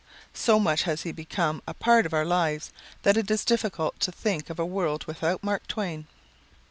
So much has he become a part of our lives that it is difficult to think of a world without Mark Twain."